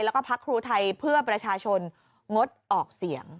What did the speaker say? แล้วก็พักครูไทยเพื่อประชาชนงดออกเสียง